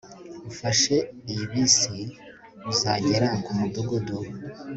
ufashe iyi bisi, uzagera kumudugudu